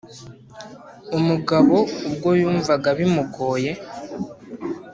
umugabo ubwo yumvaga bimugoye